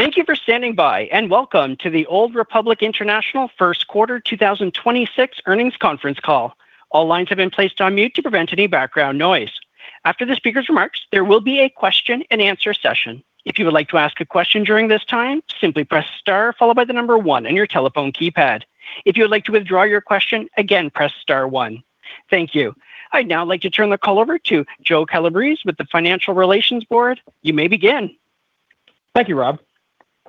Thank you for standing by, and welcome to the Old Republic International First Quarter 2026 Earnings Conference Call. All lines have been placed on mute to prevent any background noise. After the speaker's remarks, there will be a Q&A session. If you would like to ask a question during this time, simply press star followed by the number one on your telephone keypad. If you would like to withdraw your question, again, press star one. Thank you. I'd now like to turn the call over to Joe Calabrese with the Financial Relations Board. You may begin. Thank you, Rob.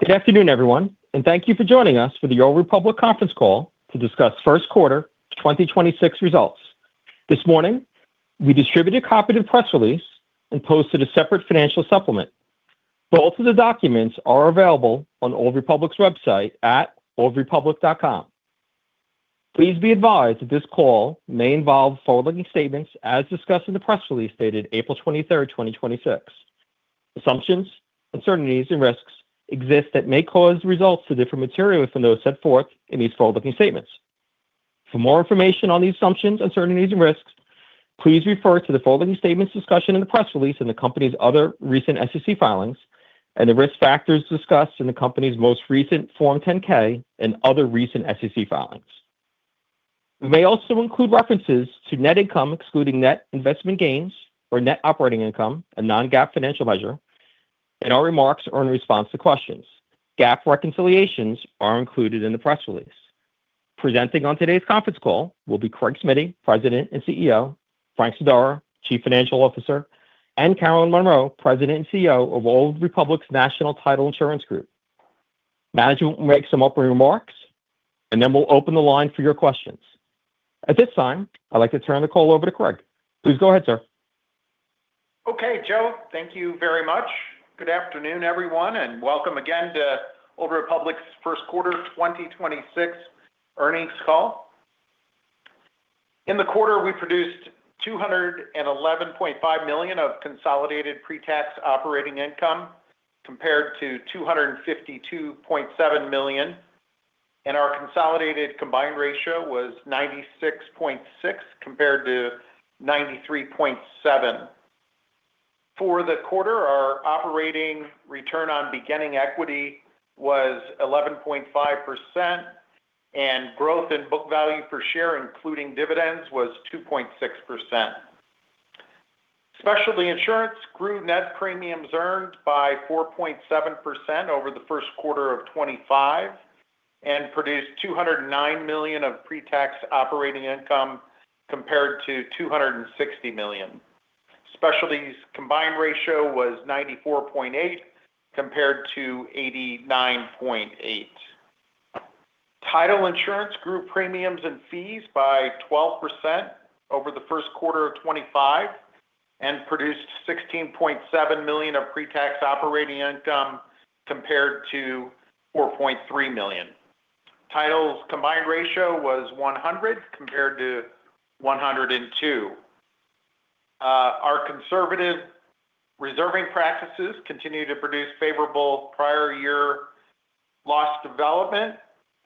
Good afternoon, everyone, and thank you for joining us for the Old Republic conference call to discuss first quarter 2026 results. This morning, we distributed a copy of the press release and posted a separate financial supplement. Both of the documents are available on Old Republic's website at oldrepublic.com. Please be advised that this call may involve forward-looking statements as discussed in the press release dated April 23rd, 2026. Assumptions, uncertainties, and risks exist that may cause results to differ materially from those set forth in these forward-looking statements. For more information on these assumptions, uncertainties, and risks, please refer to the forward-looking statements discussion in the press release and the company's other recent SEC filings and the risk factors discussed in the company's most recent Form 10-K and other recent SEC filings. We may also include references to net income excluding net investment gains or net operating income, a non-GAAP financial measure, in our remarks or in response to questions. GAAP reconciliations are included in the press release. Presenting on today's conference call will be Craig Smiddy, President and CEO, Frank Sodaro, Chief Financial Officer, and Carolyn Monroe, President and CEO of Old Republic National Title Insurance Group. Management will make some opening remarks, and then we'll open the line for your questions. At this time, I'd like to turn the call over to Craig. Please go ahead, sir. Okay, Joe. Thank you very much. Good afternoon, everyone, and welcome again to Old Republic's first quarter 2026 earnings call. In the quarter, we produced $211.5 million of consolidated pre-tax operating income, compared to $252.7 million, and our consolidated combined ratio was 96.6%, compared to 93.7%. For the quarter, our operating return on beginning equity was 11.5%, and growth in book value per share, including dividends, was 2.6%. Specialty Insurance grew net premiums earned by 4.7% over the first quarter of 2025 and produced $209 million of pre-tax operating income compared to $260 million. Specialty's combined ratio was 94.8% compared to 89.8%. Title Insurance Group grew premiums and fees by 12% over the first quarter of 2025 and produced $16.7 million of pre-tax operating income compared to $4.3 million. Title's combined ratio was 100% compared to 102%. Our conservative reserving practices continue to produce favorable prior year loss development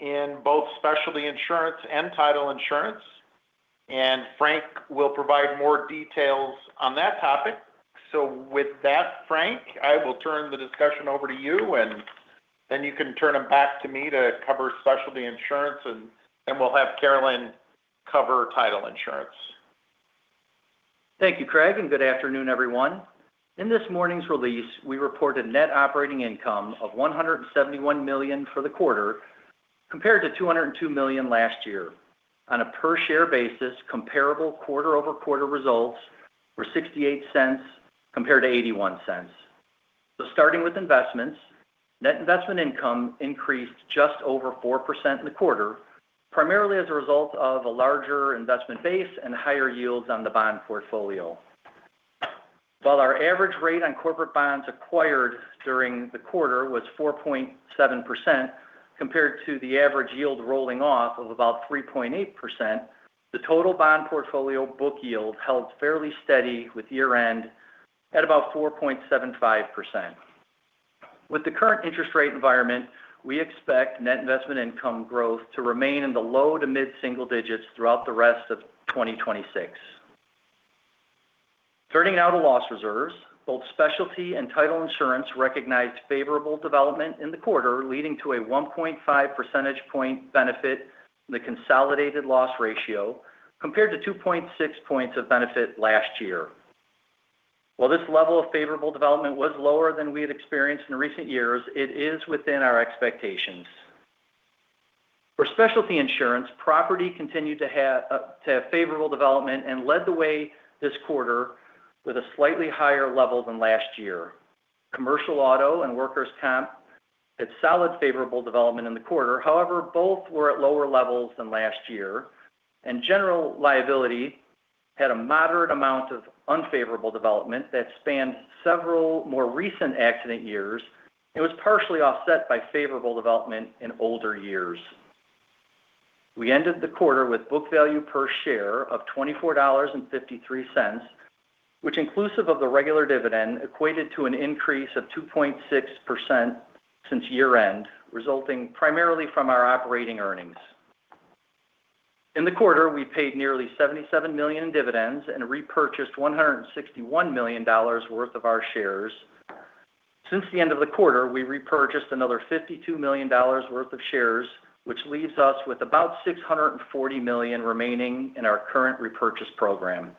in both specialty insurance and title insurance, and Frank will provide more details on that topic. With that, Frank, I will turn the discussion over to you, and then you can turn them back to me to cover specialty insurance, and then we'll have Carolyn cover title insurance. Thank you, Craig, and good afternoon, everyone. In this morning's release, we reported Net Operating Income of $171 million for the quarter, compared to $202 million last year. On a per-share basis, comparable quarter-over-quarter results were $0.68 compared to $0.81. Starting with investments, net investment income increased just over 4% in the quarter, primarily as a result of a larger investment base and higher yields on the bond portfolio. While our average rate on corporate bonds acquired during the quarter was 4.7%, compared to the average yield rolling off of about 3.8%, the total bond portfolio book yield held fairly steady with year-end at about 4.75%. With the current interest rate environment, we expect net investment income growth to remain in the low to mid-single digits throughout the rest of 2026. Turning now to loss reserves, both specialty and title insurance recognized favorable development in the quarter, leading to a 1.5 percentage point benefit in the consolidated loss ratio compared to 2.6 points of benefit last year. While this level of favorable development was lower than we had experienced in recent years, it is within our expectations. For specialty insurance, property continued to have favorable development and led the way this quarter with a slightly higher level than last year. Commercial auto and workers' comp had solid favorable development in the quarter. However, both were at lower levels than last year. General liability had a moderate amount of unfavorable development that spanned several more recent accident years and was partially offset by favorable development in older years. We ended the quarter with book value per share of $24.53, which inclusive of the regular dividend equated to an increase of 2.6% since year-end, resulting primarily from our operating earnings. In the quarter, we paid nearly $77 million in dividends and repurchased $161 million worth of our shares. Since the end of the quarter, we repurchased another $52 million worth of shares, which leaves us with about $640 million remaining in our current repurchase program.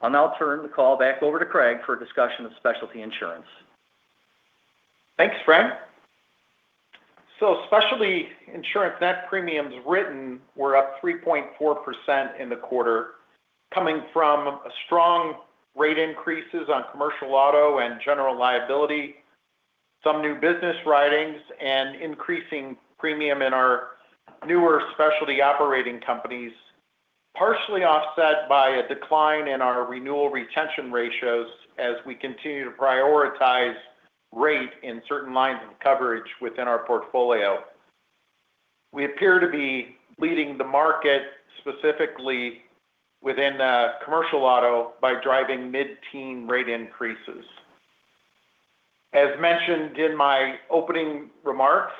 I'll now turn the call back over to Craig for a discussion of specialty insurance. Thanks, Frank. Specialty insurance net premiums written were up 3.4% in the quarter, coming from strong rate increases on commercial auto and general liability, some new business writings, and increasing premium in our newer specialty operating companies, partially offset by a decline in our renewal retention ratios as we continue to prioritize rate in certain lines of coverage within our portfolio. We appear to be leading the market specifically within commercial auto by driving mid-teen rate increases. As mentioned in my opening remarks,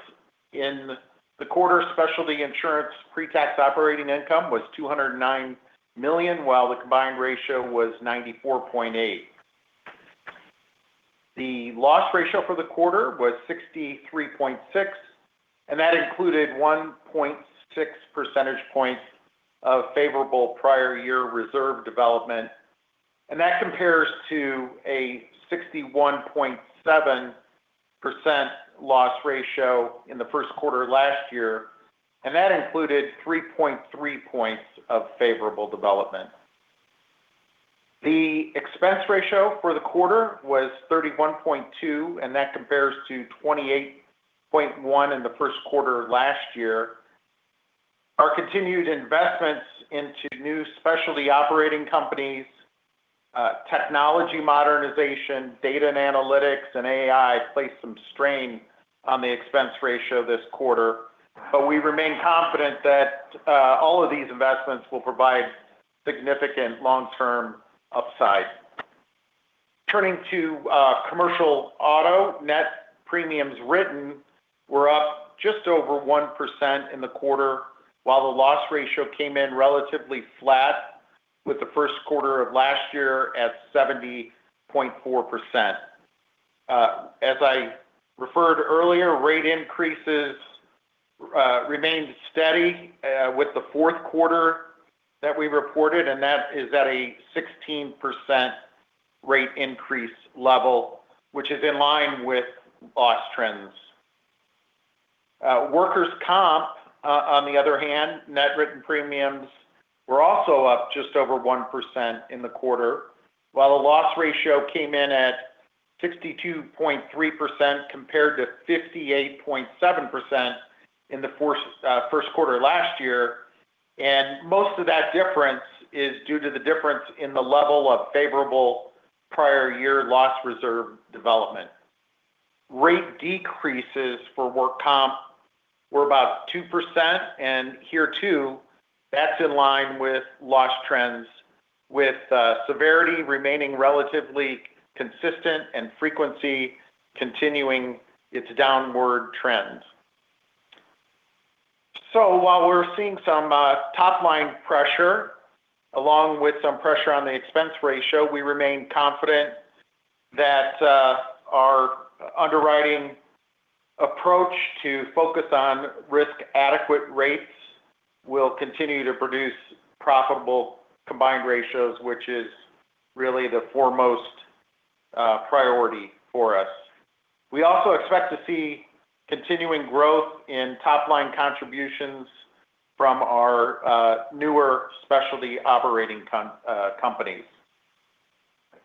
in the quarter, specialty insurance pre-tax operating income was $209 million, while the combined ratio was 94.8%. The loss ratio for the quarter was 63.6%, and that included 1.6 percentage points of favorable prior year reserve development. That compares to a 61.7% loss ratio in the first quarter last year. That included 3.3 points of favorable development. The expense ratio for the quarter was 31.2%, and that compares to 28.1% in the first quarter last year. Our continued investments into new specialty operating companies, technology modernization, data and analytics, and AI placed some strain on the expense ratio this quarter. We remain confident that all of these investments will provide significant long-term upside. Turning to commercial auto, net premiums written were up just over 1% in the quarter, while the loss ratio came in relatively flat with the first quarter of last year at 70.4%. As I referred earlier, rate increases remained steady with the fourth quarter that we reported, and that is at a 16% rate increase level, which is in line with loss trends. Workers' comp, on the other hand, net written premiums were also up just over 1% in the quarter, while the loss ratio came in at 62.3%, compared to 58.7% in the first quarter last year. Most of that difference is due to the difference in the level of favorable prior year loss reserve development. Rate decreases for workers' comp were about 2%, and here, too, that's in line with loss trends, with severity remaining relatively consistent and frequency continuing its downward trends. While we're seeing some top-line pressure, along with some pressure on the expense ratio, we remain confident that our underwriting approach to focus on risk-adequate rates will continue to produce profitable combined ratios, which is really the foremost priority for us. We also expect to see continuing growth in top-line contributions from our newer specialty operating companies.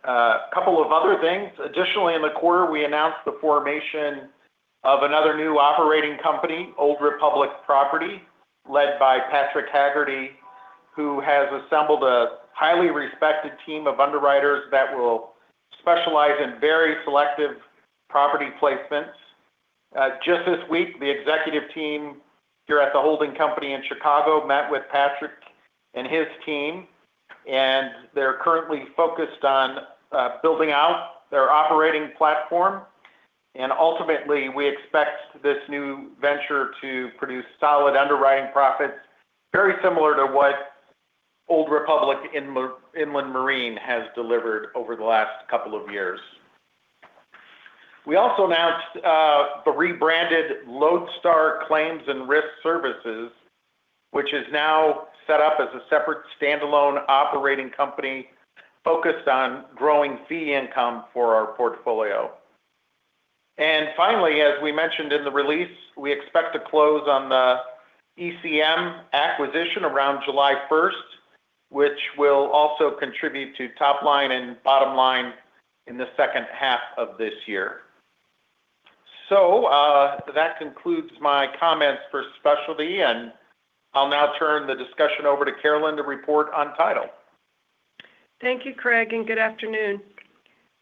A couple of other things. Additionally, in the quarter, we announced the formation of another new operating company, Old Republic Property, led by Patrick Hagerty, who has assembled a highly respected team of underwriters that will specialize in very selective property placements. Just this week, the executive team here at the holding company in Chicago met with Patrick and his team, and they're currently focused on building out their operating platform. Ultimately, we expect this new venture to produce solid underwriting profits, very similar to what Old Republic Inland Marine has delivered over the last couple of years. We also announced the rebranded Lodestar Claims and Risk Services, which is now set up as a separate standalone operating company focused on growing fee income for our portfolio. Finally, as we mentioned in the release, we expect to close on the ECM acquisition around July 1st, which will also contribute to top line and bottom line in the second half of this year. That concludes my comments for specialty, and I'll now turn the discussion over to Carolyn to report on title. Thank you, Craig, and good afternoon.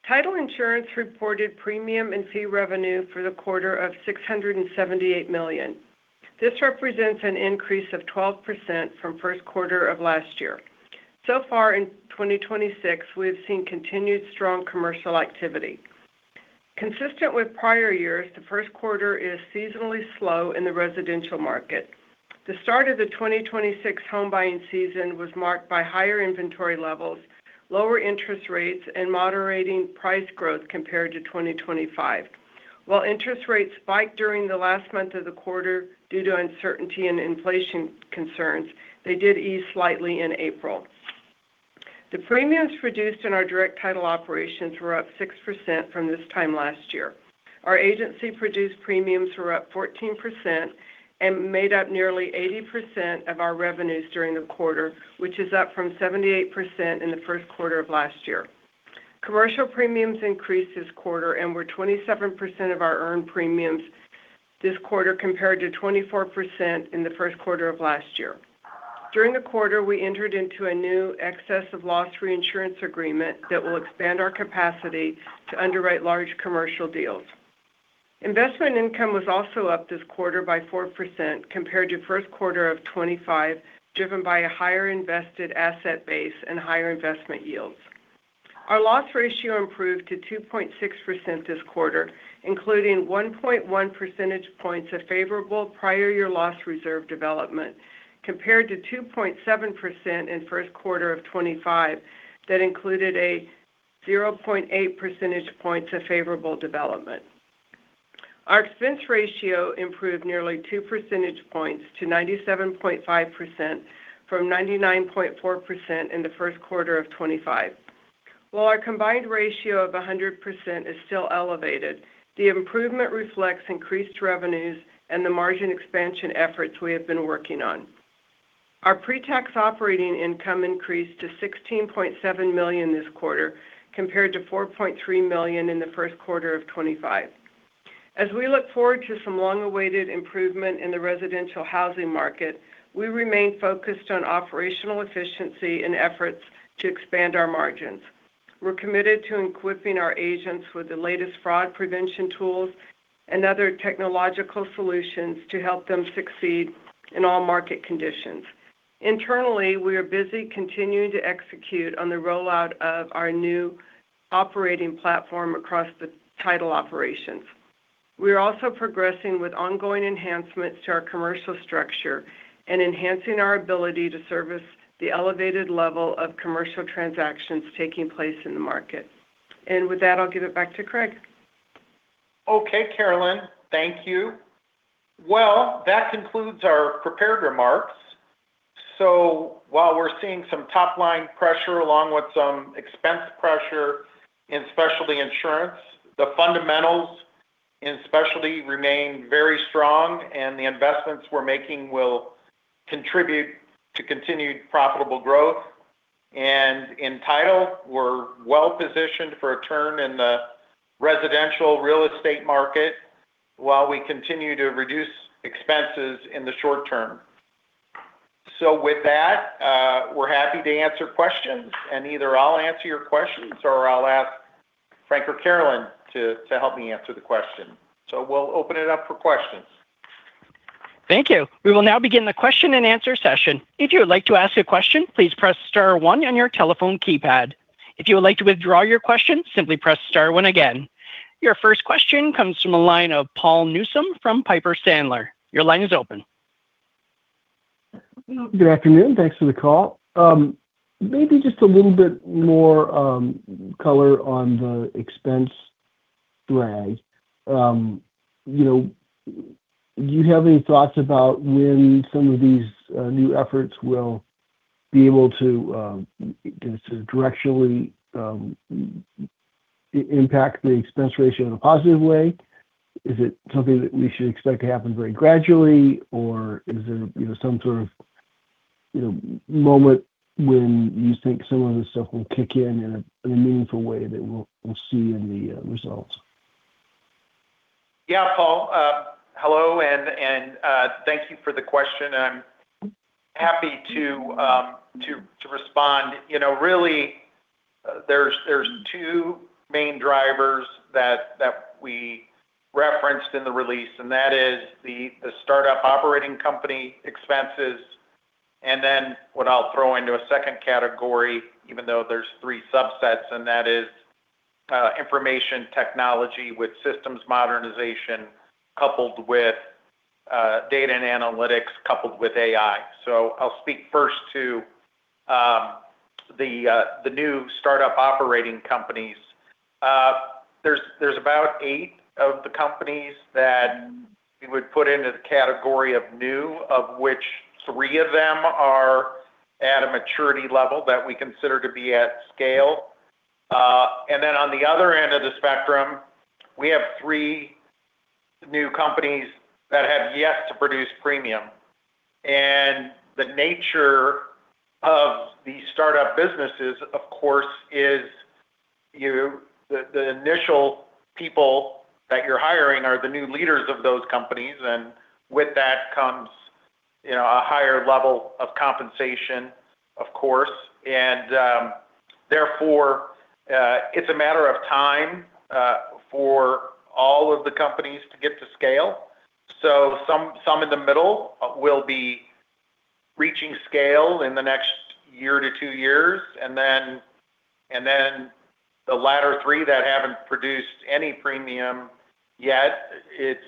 Title insurance reported premium and fee revenue for the quarter of $678 million. This represents an increase of 12% from first quarter of last year. So far in 2026, we've seen continued strong commercial activity. Consistent with prior years, the first quarter is seasonally slow in the residential market. The start of the 2026 home buying season was marked by higher inventory levels, lower interest rates, and moderating price growth compared to 2025. While interest rates spiked during the last month of the quarter due to uncertainty and inflation concerns, they did ease slightly in April. The premiums produced in our direct title operations were up 6% from this time last year. Our agency-produced premiums were up 14% and made up nearly 80% of our revenues during the quarter, which is up from 78% in the first quarter of last year. Commercial premiums increased this quarter and were 27% of our earned premiums this quarter, compared to 24% in the first quarter of last year. During the quarter, we entered into a new excess of loss reinsurance agreement that will expand our capacity to underwrite large commercial deals. Investment income was also up this quarter by 4% compared to first quarter of 2025, driven by a higher invested asset base and higher investment yields. Our loss ratio improved to 2.6% this quarter, including 1.1 percentage points of favorable prior year loss reserve development, compared to 2.7% in first quarter of 2025. That included a 0.8 percentage points of favorable development. Our expense ratio improved nearly 2 percentage points to 97.5% from 99.4% in the first quarter of 2025. While our combined ratio of 100% is still elevated, the improvement reflects increased revenues and the margin expansion efforts we have been working on. Our pre-tax operating income increased to $16.7 million this quarter, compared to $4.3 million in the first quarter of 2025. As we look forward to some long-awaited improvement in the residential housing market, we remain focused on operational efficiency and efforts to expand our margins. We're committed to equipping our agents with the latest fraud prevention tools and other technological solutions to help them succeed in all market conditions. Internally, we are busy continuing to execute on the rollout of our new operating platform across the title operations. We are also progressing with ongoing enhancements to our commercial structure and enhancing our ability to service the elevated level of commercial transactions taking place in the market. With that, I'll give it back to Craig. Okay, Carolyn, thank you. Well, that concludes our prepared remarks. While we're seeing some top-line pressure along with some expense pressure in specialty insurance, the fundamentals in specialty remain very strong, and the investments we're making will contribute to continued profitable growth. In title, we're well-positioned for a turn in the residential real estate market while we continue to reduce expenses in the short term. With that, we're happy to answer questions, and either I'll answer your questions or I'll ask Frank or Carolyn to help me answer the question. We'll open it up for questions. Thank you. We will now begin the Q&A session. If you would like to ask a question, please press star one on your telephone keypad. If you would like to withdraw your question, simply press star one again. Your first question comes from the line of Paul Newsome from Piper Sandler. Your line is open. Good afternoon. Thanks for the call. Maybe just a little bit more color on the expense drag. Do you have any thoughts about when some of these new efforts will be able to directionally impact the expense ratio in a positive way? Is it something that we should expect to happen very gradually, or is there some sort of moment when you think some of this stuff will kick in a meaningful way that we'll see in the results? Yeah, Paul. Hello, and thank you for the question. I'm happy to respond. Really, there's two main drivers that we referenced in the release, and that is the startup operating company expenses and then what I'll throw into a second category, even though there's three subsets, and that is information technology with systems modernization, coupled with data and analytics, coupled with AI. So I'll speak first to the new startup operating companies. There's about eight of the companies that we would put into the category of new, of which three of them are at a maturity level that we consider to be at scale. Then on the other end of the spectrum, we have three new companies that have yet to produce premium. The nature of these startup businesses, of course, is the initial people that you're hiring are the new leaders of those companies. With that comes a higher level of compensation, of course. Therefore, it's a matter of time for all of the companies to get to scale. Some in the middle will be reaching scale in the next year to two years, and then the latter three that haven't produced any premium yet, it's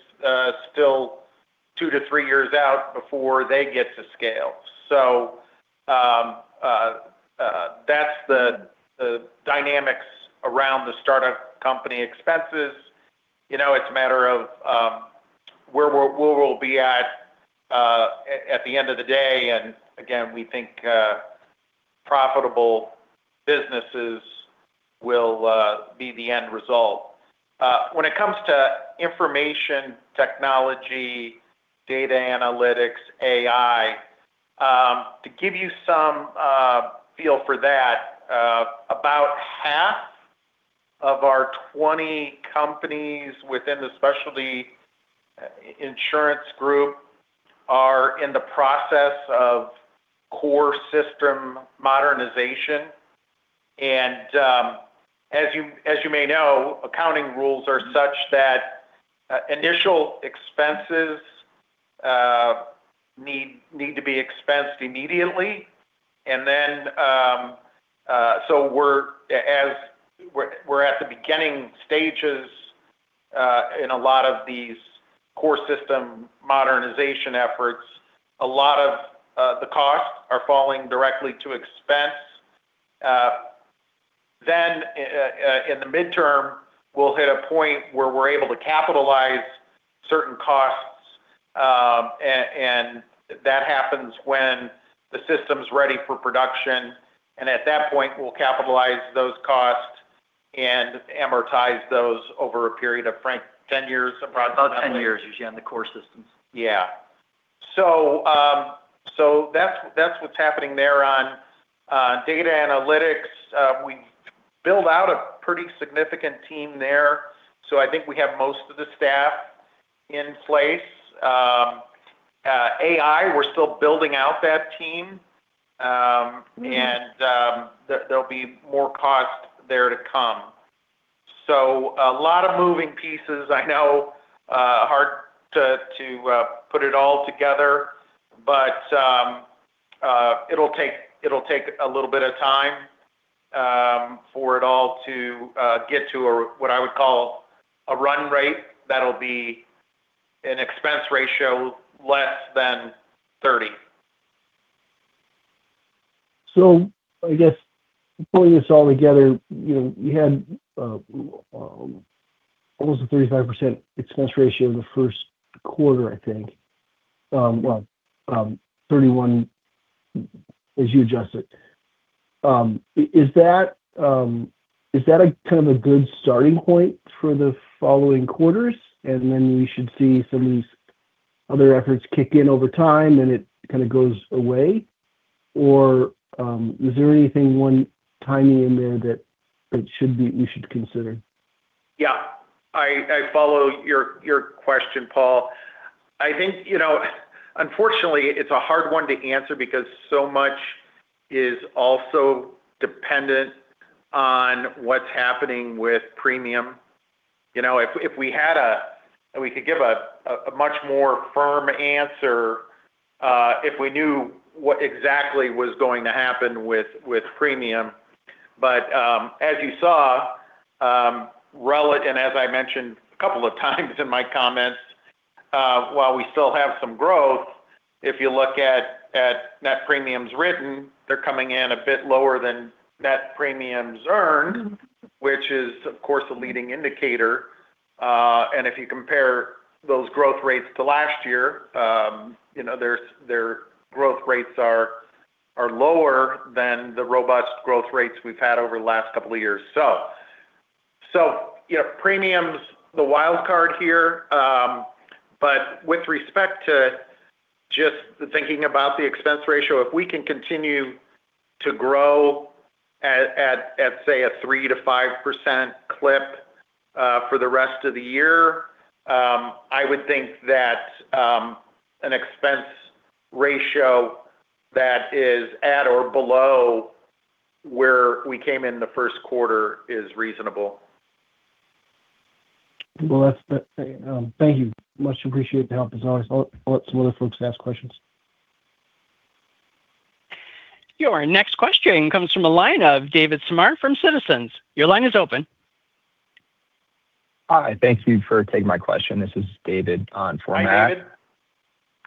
still two-three years out before they get to scale. That's the dynamics around the startup company expenses. It's a matter of where we'll be at the end of the day, and again, we think profitable businesses will be the end result. When it comes to information technology, data analytics, AI, to give you some feel for that, about half of our 20 companies within the specialty insurance group are in the process of core system modernization. As you may know, accounting rules are such that initial expenses need to be expensed immediately. We're at the beginning stages in a lot of these core system modernization efforts. A lot of the costs are falling directly to expense. In the midterm, we'll hit a point where we're able to capitalize certain costs, and that happens when the system's ready for production. At that point, we'll capitalize those costs and amortize those over a period of, Frank, 10 years, approximately? About 10 years usually on the core systems. Yeah. That's what's happening there on data analytics. We've built out a pretty significant team there, so I think we have most of the staff in place. AI, we're still building out that team. Mm-hmm. There'll be more cost there to come. A lot of moving pieces, I know. Hard to put it all together. It'll take a little bit of time for it all to get to, what I would call, a run rate that'll be an expense ratio less than 30%. I guess pulling this all together, you had almost a 35% expense ratio in the first quarter, I think. Well, 31% as you adjust it. Is that a good starting point for the following quarters? Then we should see some of these other efforts kick in over time, and it kind of goes away? Is there anything tiny in there that we should consider? Yeah. I follow your question, Paul. I think, unfortunately, it's a hard one to answer because so much is also dependent on what's happening with premium. We could give a much more firm answer if we knew what exactly was going to happen with premium. As you saw, Relic, and as I mentioned a couple of times in my comments, while we still have some growth, if you look at net premiums written, they're coming in a bit lower than net premiums earned. Mm-hmm Which is, of course, a leading indicator. If you compare those growth rates to last year, their growth rates are lower than the robust growth rates we've had over the last couple of years. Premiums, the wild card here. With respect to just the thinking about the expense ratio, if we can continue to grow at, say, a 3%-5% clip for the rest of the year, I would think that an expense ratio that is at or below where we came in the first quarter is reasonable. Well, that's it. Thank you. Much appreciated the help as always. I'll let some other folks ask questions. Your next question comes from the line of David Samar from Citizens Your line is open. Hi, thank you for taking my question. This is David on for Matt.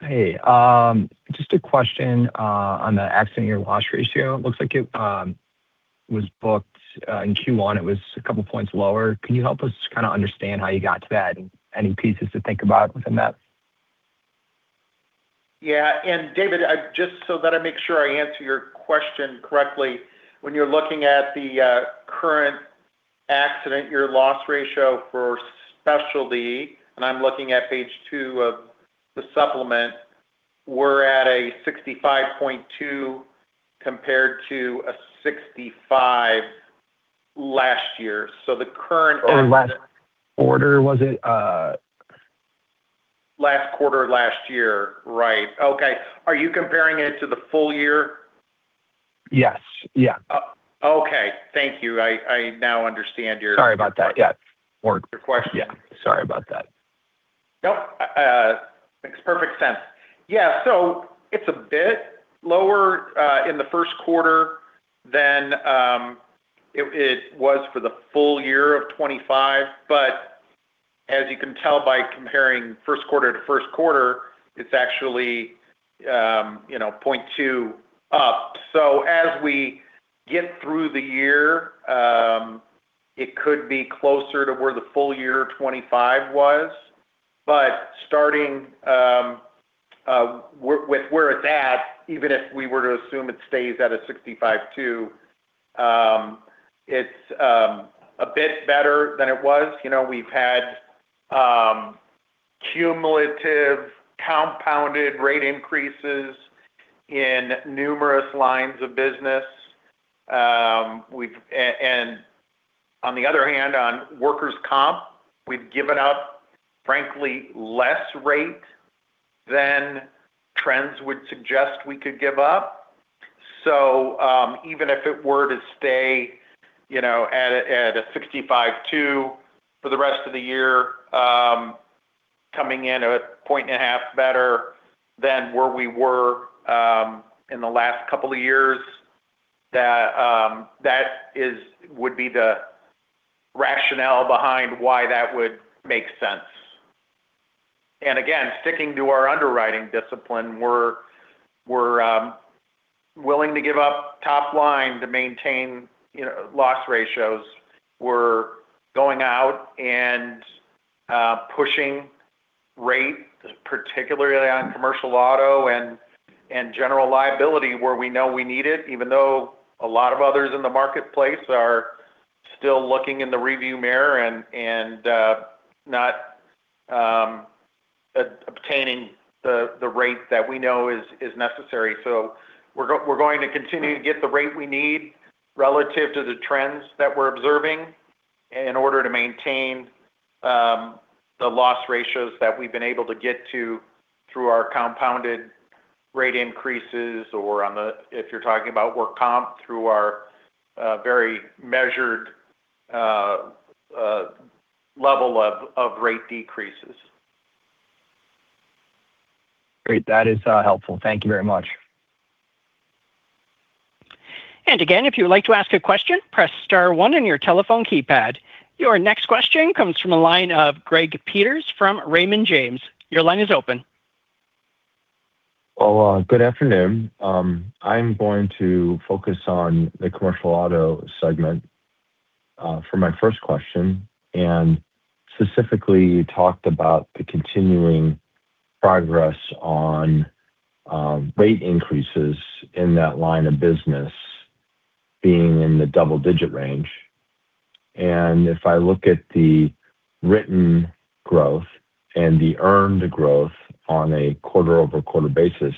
Hi, David. Hey. Just a question on the Accident Year Loss Ratio. It looks like it was booked in Q1, it was a couple points lower. Can you help us understand how you got to that, and any pieces to think about within that? Yeah. David, just so that I make sure I answer your question correctly, when you're looking at the Current Accident Year Loss Ratio for specialty, and I'm looking at page two of the supplement, we're at a 65.2% compared to a 65% last year. The current Last quarter, was it? Last quarter of last year. Right. Okay. Are you comparing it to the full year? Yes. Yeah. Okay. Thank you. I now understand your. Sorry about that. Yeah. your question. Yeah. Sorry about that. Nope. Makes perfect sense. Yeah. It's a bit lower in the first quarter than it was for the full year of 2025. As you can tell by comparing first quarter to first quarter, it's actually 0.2% up. As we get through the year, it could be closer to where the full year 2025 was. Starting with where it's at, even if we were to assume it stays at a 65.2%, it's a bit better than it was. We've had cumulative compounded rate increases in numerous lines of business. On the other hand, on workers' comp, we've given up, frankly, less rate than trends would suggest we could give up. Even if it were to stay at a 65.2% for the rest of the year, coming in at 1.5% better than where we were in the last couple of years, that would be the rationale behind why that would make sense. Again, sticking to our underwriting discipline, we're willing to give up top line to maintain loss ratios. We're going out and pushing rate, particularly on commercial auto and general liability, where we know we need it, even though a lot of others in the marketplace are still looking in the rearview mirror and not obtaining the rate that we know is necessary. We're going to continue to get the rate we need relative to the trends that we're observing in order to maintain the loss ratios that we've been able to get to through our compounded rate increases or on the, if you're talking about work comp, through our very measured level of rate decreases. Great. That is helpful. Thank you very much. Again, if you would like to ask a question, press star one on your telephone keypad. Your next question comes from the line of Gregory Peters from Raymond James. Your line is open. Well, good afternoon. I'm going to focus on the commercial auto segment for my first question. Specifically, you talked about the continuing progress on rate increases in that line of business being in the double-digit range. If I look at the written growth and the earned growth on a quarter-over-quarter basis,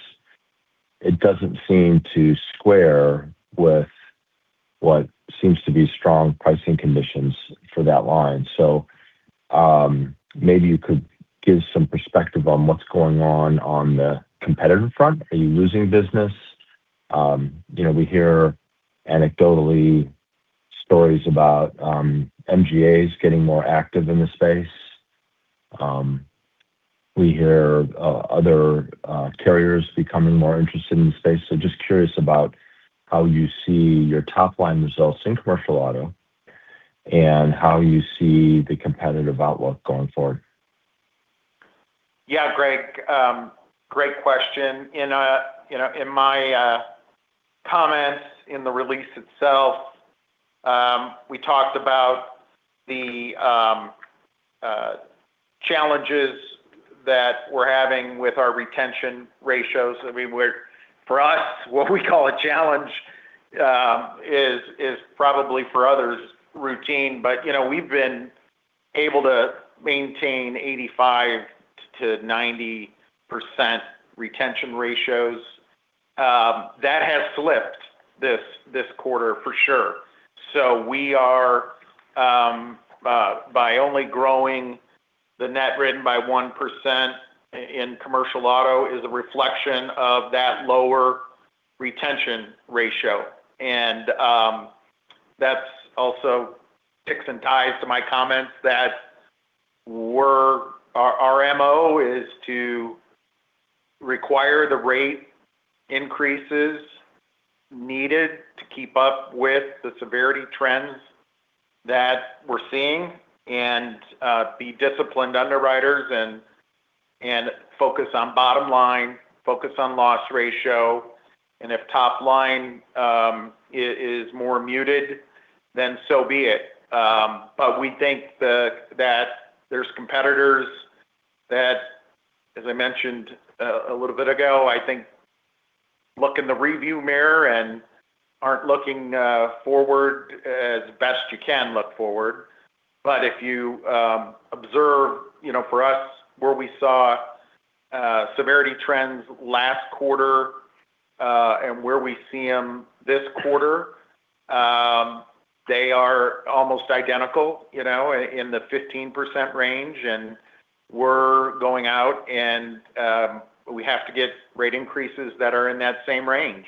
it doesn't seem to square with what seems to be strong pricing conditions for that line. Maybe you could give some perspective on what's going on the competitive front. Are you losing business? We hear anecdotal stories about MGAs getting more active in the space. We hear other carriers becoming more interested in the space. Just curious about how you see your top-line results in commercial auto and how you see the competitive outlook going forward. Yeah. Greg, great question. In my comments in the release itself, we talked about the challenges that we're having with our retention ratios. For us, what we call a challenge is probably for others routine, but we've been able to maintain 85%-90% retention ratios. That has slipped this quarter for sure. We're growing the net written by only 1% in commercial auto, which is a reflection of that lower retention ratio. That's also ticks and ties to my comments that our MO is to require the rate increases needed to keep up with the severity trends that we're seeing and be disciplined underwriters and focus on bottom line, focus on loss ratio. If top line is more muted, then so be it. We think that there's competitors that, as I mentioned a little bit ago, I think look in the rearview mirror and aren't looking forward as best you can look forward. If you observe for us where we saw severity trends last quarter, and where we see them this quarter, they are almost identical, in the 15% range, and we're going out and we have to get rate increases that are in that same range.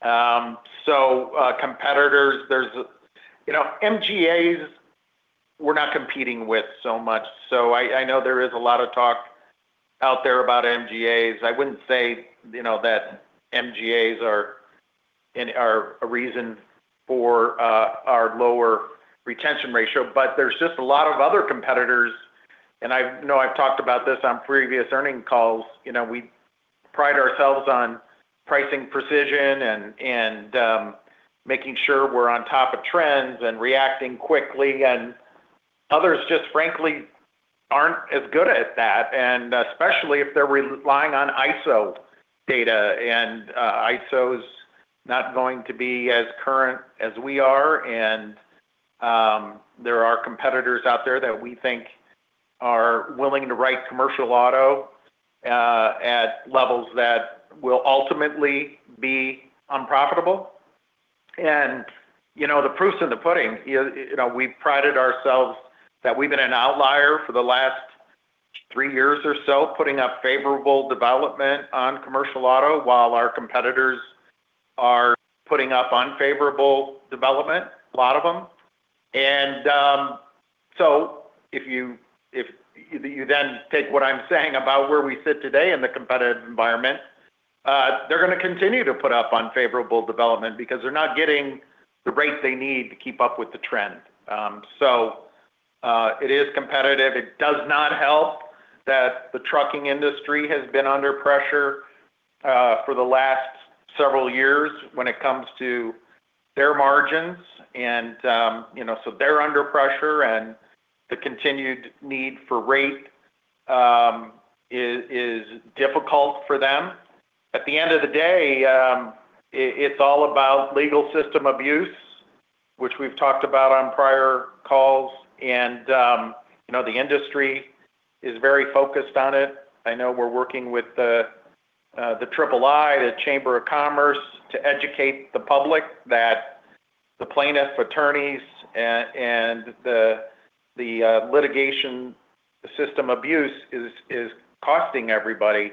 Competitors, MGAs we're not competing with so much. I know there is a lot of talk out there about MGAs. I wouldn't say that MGAs are a reason for our lower retention ratio, but there's just a lot of other competitors, and I know I've talked about this on previous earnings calls. We pride ourselves on pricing precision and making sure we're on top of trends and reacting quickly, and others just frankly aren't as good at that. Especially if they're relying on ISO data, and ISO's not going to be as current as we are, and there are competitors out there that we think are willing to write commercial auto at levels that will ultimately be unprofitable. The proof's in the pudding. We prided ourselves that we've been an outlier for the last three years or so, putting up favorable development on commercial auto while our competitors are putting up unfavorable development, a lot of them. If you then take what I'm saying about where we sit today in the competitive environment, they're going to continue to put up unfavorable development because they're not getting the rates they need to keep up with the trend. It is competitive. It does not help that the trucking industry has been under pressure for the last several years when it comes to their margins. They're under pressure, and the continued need for rate is difficult for them. At the end of the day, it's all about Legal System Abuse, which we've talked about on prior calls. The industry is very focused on it. I know we're working with the III, the U.S. Chamber of Commerce, to educate the public that the plaintiff attorneys and the Legal System Abuse is costing everybody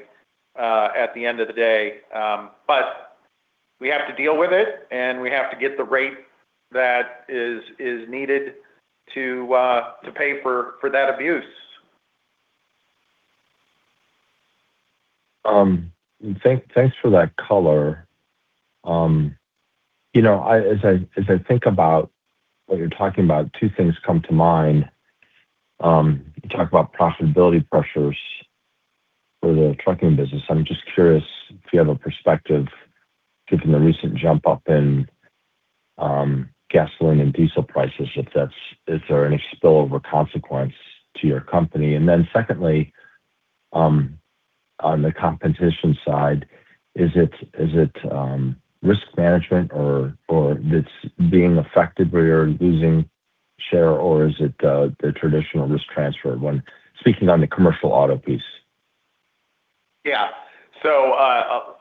at the end of the day. We have to deal with it, and we have to get the rate that is needed to pay for that abuse. Thanks for that color. As I think about what you're talking about, two things come to mind. You talk about profitability pressures for the trucking business. I'm just curious if you have a perspective given the recent jump up in gasoline and diesel prices. Is there any spillover consequence to your company? Secondly, on the competition side, is it Risk Management that's being affected where you're losing share, or is it the traditional risk transfer one, speaking on the commercial auto piece? Yeah.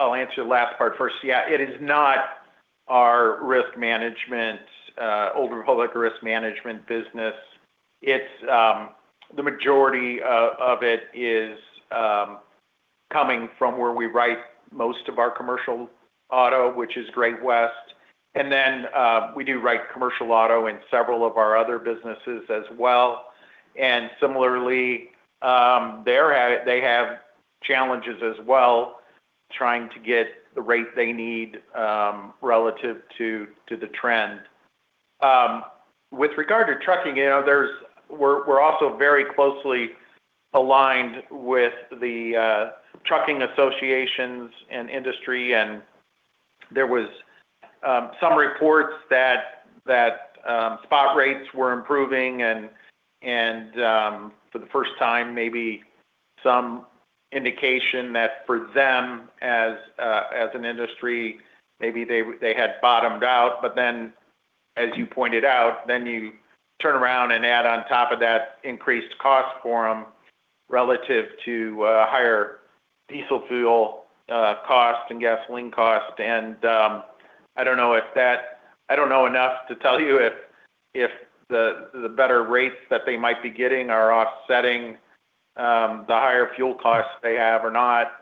I'll answer the last part first. Yeah, it is not our risk management, Old Republic Risk Management business. The majority of it is coming from where we write most of our commercial auto, which is Great West, and then we do write commercial auto in several of our other businesses as well. Similarly, they have challenges as well trying to get the rate they need relative to the trend. With regard to trucking, we're also very closely aligned with the trucking associations and industry, and there was some reports that spot rates were improving, and for the first time, maybe some indication that for them as an industry, maybe they had bottomed out. As you pointed out, then you turn around and add on top of that increased cost for them relative to higher diesel fuel cost and gasoline cost. I don't know enough to tell you if the better rates that they might be getting are offsetting the higher fuel costs they have or not.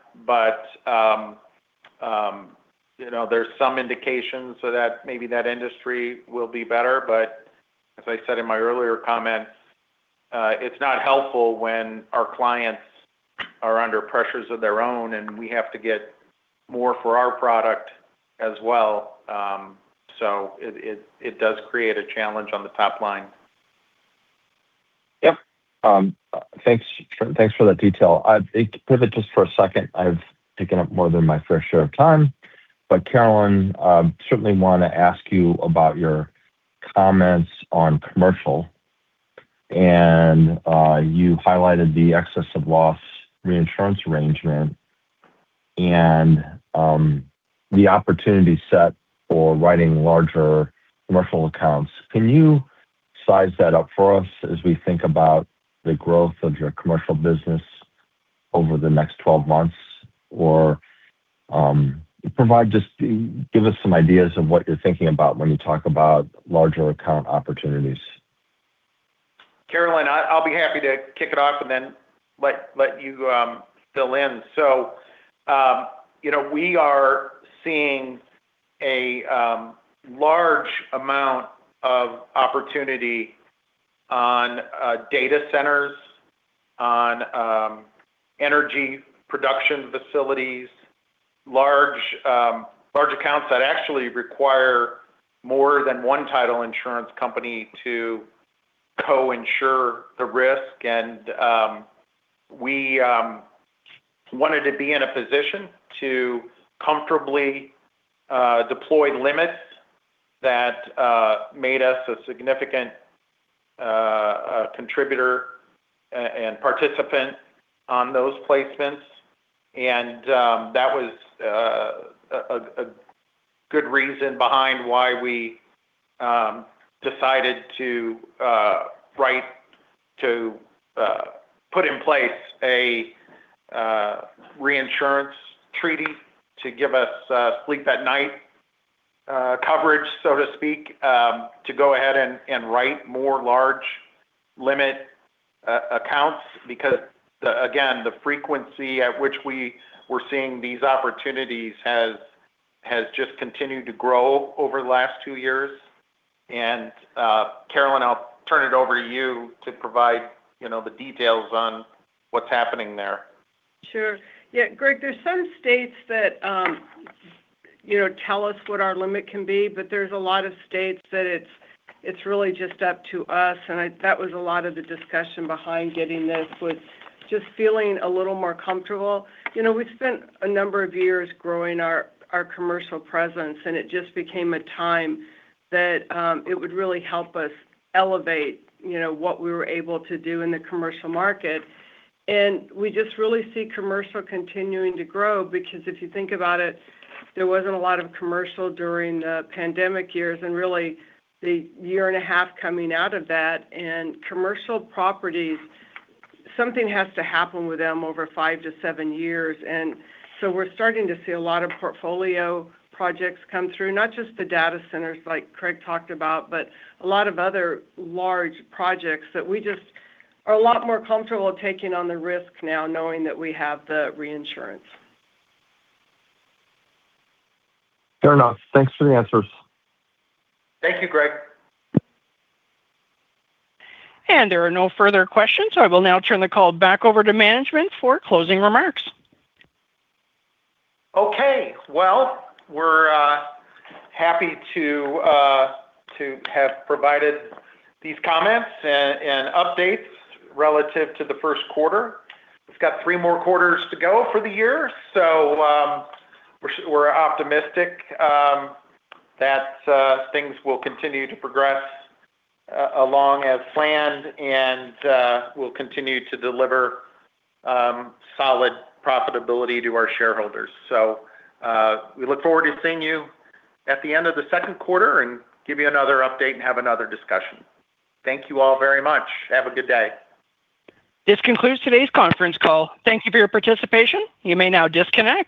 There's some indications so that maybe that industry will be better, but as I said in my earlier comments, it's not helpful when our clients are under pressures of their own, and we have to get more for our product as well. It does create a challenge on the top line. Yep. Thanks for the detail. To pivot just for a second, I've taken up more than my fair share of time, but Carolyn, I certainly want to ask you about your comments on commercial. You highlighted the excess of loss reinsurance arrangement and the opportunity set for writing larger commercial accounts. Can you size that up for us as we think about the growth of your commercial business over the next 12 months or provide, just give us some ideas of what you're thinking about when you talk about larger account opportunities. Carolyn, I'll be happy to kick it off and then let you fill in. We are seeing a large amount of opportunity on data centers, on energy production facilities, large accounts that actually require more than one title insurance company to co-insure the risk. We wanted to be in a position to comfortably deploy limits that made us a significant contributor and participant on those placements. That was a good reason behind why we decided to write, to put in place a reinsurance treaty to give us sleep at night coverage, so to speak, to go ahead and write more large limit accounts because, again, the frequency at which we were seeing these opportunities has just continued to grow over the last two years. Carolyn, I'll turn it over to you to provide the details on what's happening there. Sure. Yeah, Greg, there's some states that tell us what our limit can be, but there's a lot of states that it's really just up to us. That was a lot of the discussion behind getting this, was just feeling a little more comfortable. We've spent a number of years growing our commercial presence, and it just became a time that it would really help us elevate what we were able to do in the commercial market. We just really see commercial continuing to grow because if you think about it, there wasn't a lot of commercial during the pandemic years and really the year and a half coming out of that. Commercial properties, something has to happen with them over five-seven years. We're starting to see a lot of portfolio projects come through, not just the data centers like Craig talked about, but a lot of other large projects that we just are a lot more comfortable taking on the risk now knowing that we have the reinsurance. Fair enough. Thanks for the answers. Thank you, Greg. There are no further questions, so I will now turn the call back over to management for closing remarks. Okay. Well, we're happy to have provided these comments and updates relative to the first quarter. We've got three more quarters to go for the year, so we're optimistic that things will continue to progress along as planned and we'll continue to deliver solid profitability to our shareholders. We look forward to seeing you at the end of the second quarter and give you another update and have another discussion. Thank you all very much. Have a good day. This concludes today's conference call. Thank you for your participation. You may now disconnect.